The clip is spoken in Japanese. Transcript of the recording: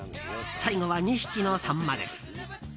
最後は２匹のサンマです。